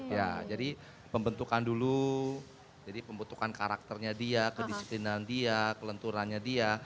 ya jadi pembentukan dulu jadi pembentukan karakternya dia kedisiplinan dia kelenturannya dia